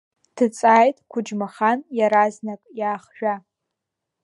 Дҵааит Қәыџьмахан иаразнак, иаахжәа.